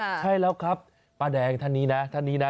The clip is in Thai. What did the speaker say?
ใช่แล้วครับป้าแดงท่านนี้นะ